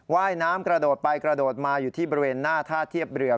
ว่ายน้ำกระโดดไปกระโดดมาอยู่ที่บริเวณหน้าท่าเทียบเรือ